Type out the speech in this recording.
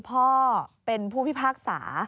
โปรดติดตามต่อไป